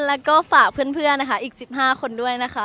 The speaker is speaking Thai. แล้วก็ฝากเพื่อนนะคะอีก๑๕คนด้วยนะคะ